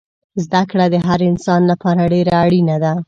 زده کړه دهر انسان لپاره دیره اړینه ده